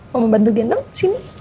mau membantu gendong sini